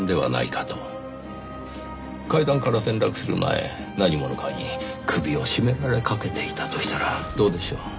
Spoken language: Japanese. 階段から転落する前何者かに首を絞められかけていたとしたらどうでしょう？